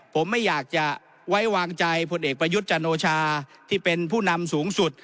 ผมไม่อยากจะไว้วางใจพลเอกประยุทธ์จันโอชาที่เป็นผู้นำสูงสุด